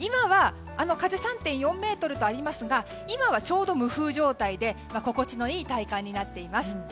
風３．４メートルとありますが今はちょうど無風状態で心地のいい体感となっています。